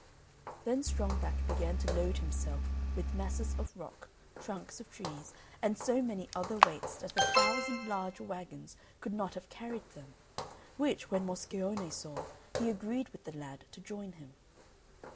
Then Strong back began to load himself with masses of rock, trunks of trees, and so many other weights that a thousand large waggons could not have carried them; which, when Moscione saw, he agreed with the lad to join him.